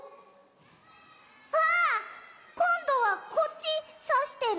あっこんどはこっちさしてる？